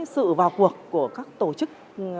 sự vào cuộc của các tổ chức